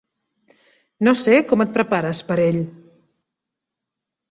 No sé com et prepares per ell.